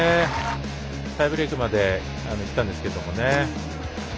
タイブレークまでいったんですけどね。